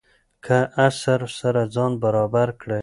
د عصر سره ځان برابر کړئ.